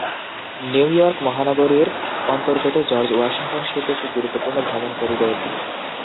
New York মহানগরীর অন্তর্গত George Washington সেতু একটি গুরুত্বপূর্ণ ভ্রমণ করিডোর।